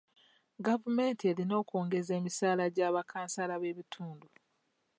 Gavumenti erina okwongeza e misaala gy'abakansala b'ebitundu.